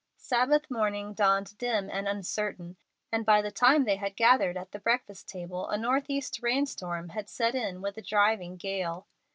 Sabbath morning dawned dim and uncertain, and by the time they had gathered at the breakfast table, a northeast rain storm had set in with a driving gale.